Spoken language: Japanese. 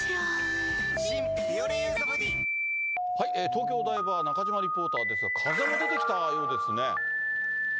東京・お台場、中島リポーターですが、風も出てきたようですね。